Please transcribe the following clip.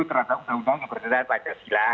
terhadap undang undang yang berdenah pada sila